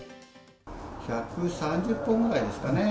１３０本ぐらいですかね。